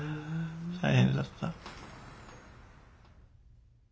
大変だった。